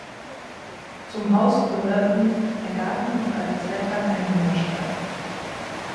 Zum Haus gehörten ein Garten und eine Zeit lang ein Hühnerstall.